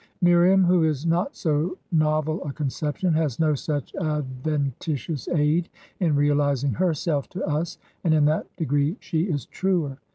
Miriam, who is not so novel a conception, has no such adventitious aid in realizing herself to us, and in that degree she is truer.